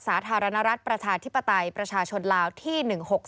สาธารณรัฐประชาธิปไตยประชาชนลาวที่๑๖๖